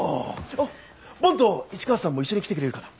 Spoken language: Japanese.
あっボンと市川さんも一緒に来てくれるかな？